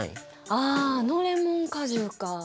あああのレモン果汁か。